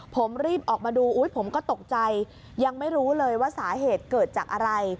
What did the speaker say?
ผมรีบออกมาดูอุ๊ยผมก็ตกใจยังไม่รู้เลยว่าสาเหตุเกิดจากอะไร